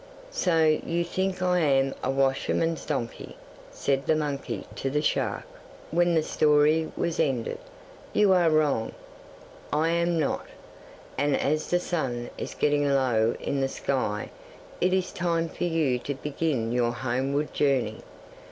'So you think I am a washerman's donkey?' said the monkey to the shark, when the story was ended. 'You are wrong; I am not. And as the sun is getting low in the sky, it is time for you to begin your homeward journey.